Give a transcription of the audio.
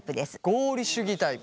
合理主義タイプ。